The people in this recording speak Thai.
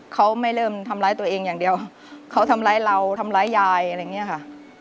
เขาไม่เริ่มทำร้ายตัวเองอย่างเดียวเขาทำร้ายเราทำร้ายยายอะไรอย่างนี้ค่ะ